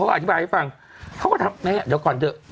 เขาก็อธิบายให้ฟังเขาก็ทำแบบนี้เดี๋ยวก่อนเดี๋ยว